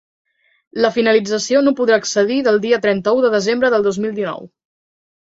La finalització no podrà excedir del dia trenta-u de desembre de dos mil dinou.